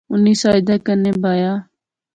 اُنی ساجدے کنے بایا